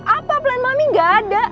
apa plan mami gak ada